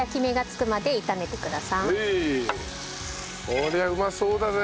こりゃうまそうだぜ！